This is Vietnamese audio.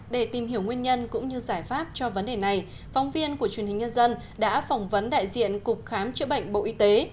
để tìm hiểu nguyên nhân cũng như giải pháp cho vấn đề này phóng viên của truyền hình nhân dân đã phỏng vấn đại diện cục khám chữa bệnh bộ y tế